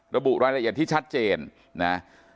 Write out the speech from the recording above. ระบุรายละเอียดที่ชัดเจนนะ